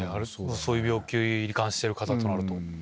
そういう病気罹患してる方となると。